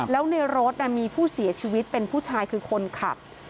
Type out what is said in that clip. แล้วในรถมีผู้เสียชีวิตเป็นผู้ชายคือคนขับ